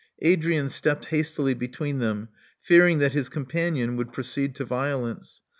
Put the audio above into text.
Adrian stepped hastily between them, fearing that his companion would proceed to violence.